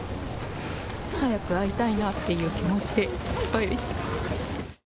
早く会いたいなという気持ちでいっぱいです。